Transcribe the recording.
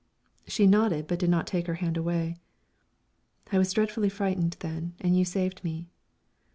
She nodded, but did not take her hand away. "I was dreadfully frightened then, and you saved me."